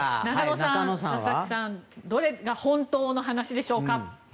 中野さんは？どれが本当の話でしょうか？